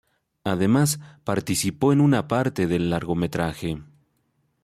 Además participó en una parte del largometraje.